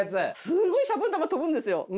すごいシャボン玉飛ぶんですよ。